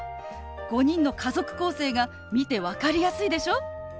５人の家族構成が見て分かりやすいでしょ？